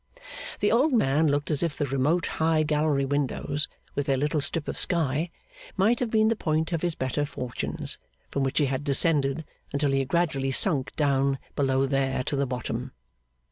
The old man looked as if the remote high gallery windows, with their little strip of sky, might have been the point of his better fortunes, from which he had descended, until he had gradually sunk down below there to the bottom.